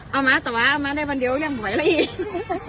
เอามาต่อว่าเอามาได้วันเดียวเลี่ยงบ่ไหวแล้วอีก